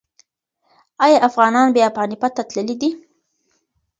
ایا افغانان بیا پاني پت ته تللي دي؟